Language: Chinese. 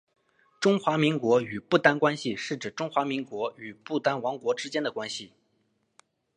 中华民国与不丹关系是指中华民国与不丹王国之间的关系。